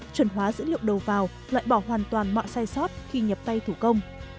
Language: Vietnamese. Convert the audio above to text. chuẩn hóa dữ liệu đầu vào loại bỏ hoàn toàn mọi sai sót khi nhập tay thủ công